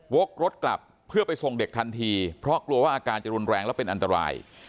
กรถกลับเพื่อไปส่งเด็กทันทีเพราะกลัวว่าอาการจะรุนแรงและเป็นอันตราย